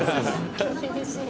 厳しい。